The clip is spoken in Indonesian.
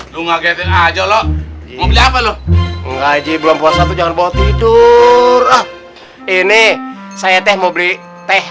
lu ngagetin aja lo mau jalan ngaji belum puasa tuh jangan bawa tidur ini saya teh mau beli teh